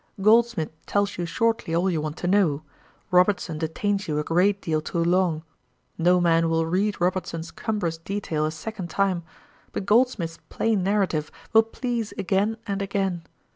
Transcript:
Goldsmith tells you shortly all you want to know: Robertson detains you a great deal too long. No man will read Robertson's cumbrous detail a second time; but Goldsmith's plain narrative will please again and again.